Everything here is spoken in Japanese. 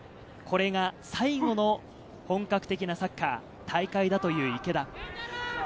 これが最後の本格的なサッカー、大会だという池田。